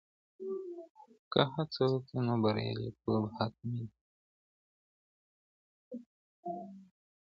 که هڅه وکړې، نو بریالیتوب حتمي دی.